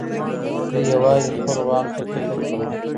دوی يوازې خپل واک ته فکر کاوه.